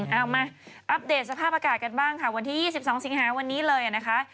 เอามาอัปเดตสภาพอากาศกันบ้างค่ะวันที่๒๒สิงหาวันนี้เลยนะคะ